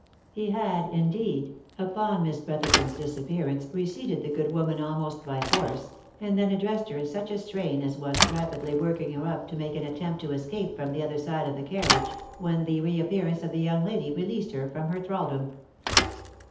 He had, indeed, upon Miss Brotherton's disappearance reseated the good woman almost by force, and then addressed her in such a strain as was '^rapidly working her up to make an attempt to escape from the other side of the carriage, when the reappearance of the young lady released her from her thraldom.